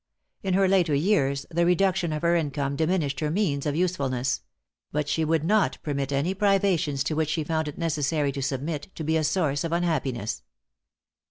In her later years the reduction of her income diminished her means of usefulness; but she would not permit any privations to which she found it necessary to submit, to be a source of unhappiness.